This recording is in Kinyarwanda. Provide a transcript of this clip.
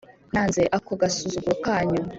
Nanze ako gasuzuguro kanyu